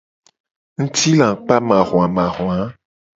Ngutilakpamahuamahua.